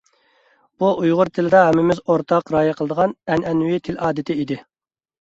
بۇ ئۇيغۇر تىلىدا ھەممىمىز ئورتاق رىئايە قىلىدىغان ئەنئەنىۋى تىل ئادىتى ئىدى.